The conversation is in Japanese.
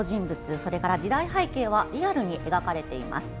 それから時代背景はリアルに描かれています。